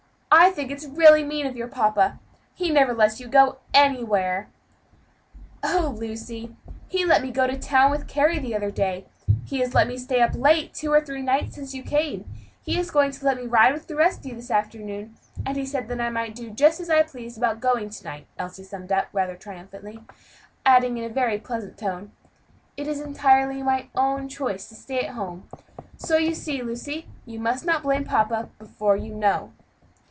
"I think it's really mean of your papa; he never lets you go anywhere." "Oh, Lucy! he let me go to town with Carry the other day; he has let me stay up late two or three nights since you came; he is going to let me ride with the rest of you this afternoon, and he said that I might do just as I pleased about going to night," Elsie summed up rather triumphantly, adding, in a very pleasant tone, "It is entirely my own choice to stay at home; so you see, Lucy, you must not blame my papa before you know."